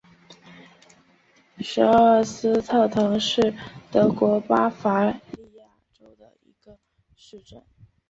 舍尔斯特滕是德国巴伐利亚州的一个市镇。